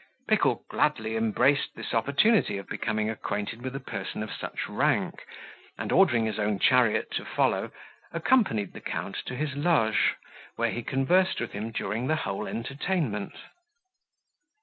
Pickle gladly embraced this opportunity of becoming acquainted with a person of such rank, and, ordering his own chariot to follow, accompanied the count to his loge, where he conversed with him during the whole entertainment.